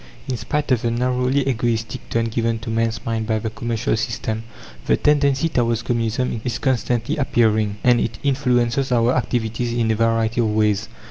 In spite of the narrowly egoistic turn given to men's minds by the commercial system, the tendency towards Communism is constantly appearing, and it influences our activities in a variety of ways.